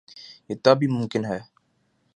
یہ تب ہی ممکن ہے۔